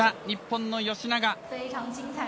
日本の吉永。